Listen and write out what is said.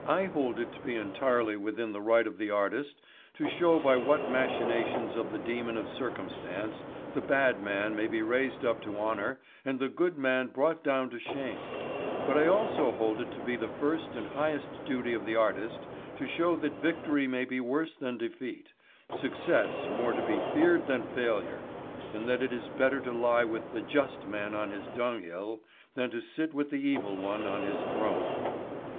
I hold it to be entirely within the right of the artist to show by what machinations of the demon of circumstance the bad man may be raised up to honour and the good man brought down to shame, but I also hold it to be the first and highest duty of the artist to show that victory may be worse than defeat, success more to be feared than failure, and that it is better to lie with the just man on his dunghill than to sit with the evil one on his throne.